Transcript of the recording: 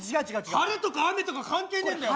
晴れとか雨とか関係ねえんだよ！